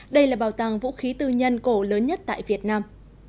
đây là bảo tàng vũ khí tư nhân cổ lớn nhất tại việt nam